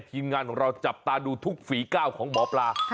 ทีมงานของเราจับตาดูทุกฝีก้าวของหมอปลา